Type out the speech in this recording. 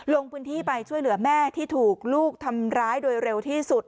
ลงพื้นที่ไปช่วยเหลือแม่ที่ถูกลูกทำร้ายโดยเร็วที่สุด